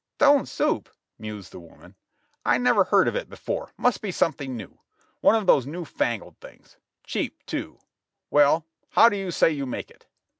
"Stone soup," mused the woman, "I never heard of it before, must be something new ; one of these new fangled things ; cheap, too ; well, how do you say you make it